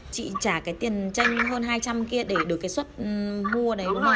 chị trả cái tiền chênh hơn hai trăm linh kia để được cái xuất mua đấy đúng không ạ